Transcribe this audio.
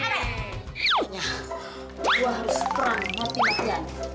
ya gua harus perang mati matian